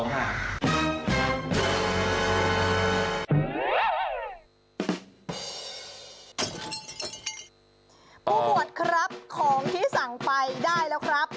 ผู้บวชครับของที่สั่งไปได้แล้วครับ